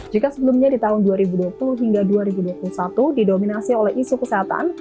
jika sebelumnya di tahun dua ribu dua puluh hingga dua ribu dua puluh satu didominasi oleh isu kesehatan